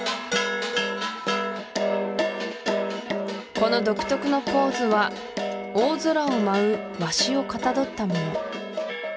この独特のポーズは大空を舞うワシをかたどったもの